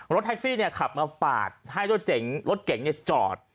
รถแท็กซี่เนี่ยขับมาปาดให้รถเก๋งรถเก๋งเนี่ยจอด